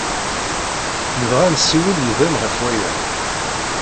Nebɣa ad nessiwel yid-m ɣef waya.